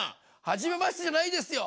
はじめましてじゃないですよ！